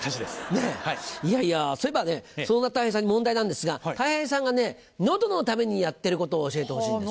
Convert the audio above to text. そういえばそんなたい平さんに問題なんですがたい平さんが喉のためにやってることを教えてほしいんです。